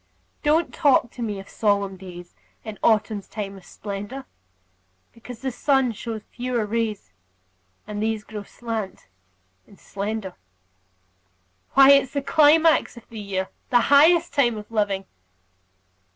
Don't talk to me of solemn days In autumn's time of splendor, Because the sun shows fewer rays, And these grow slant and slender. Why, it's the climax of the year, The highest time of living!